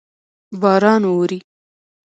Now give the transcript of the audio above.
باران اوري.